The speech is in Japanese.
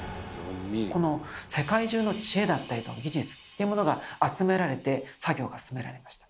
この世界中の知恵だったりとか技術っていうものが集められて作業が進められました。